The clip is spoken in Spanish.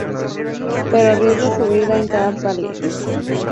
Pero arriesga su vida en cada pelea.